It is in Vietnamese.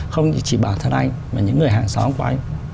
không chỉ bản thân anh mà những người hàng xóm của anh